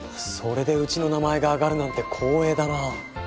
それでうちの名前が挙がるなんて光栄だなあ。